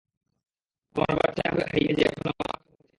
তোমার বাচ্চা হইয়ে যে এখন আমার সাথে থাকছে।